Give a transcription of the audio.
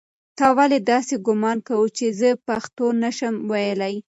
تا ولې داسې ګومان کاوه چې زه پښتو نه شم ویلی؟